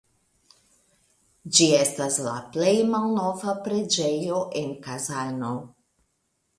Ĝi estas la plej malnova preĝejo en Kazano.